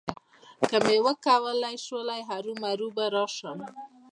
که مې کولای شول، هرومرو به راشم.